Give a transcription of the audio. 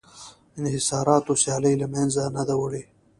انحصاراتو سیالي له منځه نه ده وړې